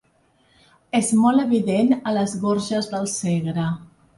És molt evident a les Gorges del Segre.